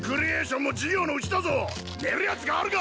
寝るやつがあるか！